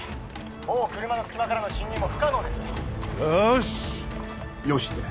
もう車の隙間からの侵入も不可能ですよしよしって？